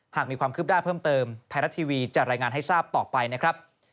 หากมีความคืบหน้าเพิ่มเติมไทยรัฐทีวีจะรายงานให้ทราบต่อไปนะครับ